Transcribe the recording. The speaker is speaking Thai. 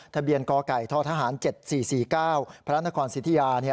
ทะเบียนกไก่ททหาร๗๔๔๙พระนครสิทธิยา